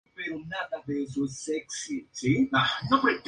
Actualmente se encuentra en el patio del Palacio Episcopal de Córdoba.